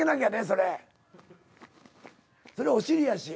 それお尻やし。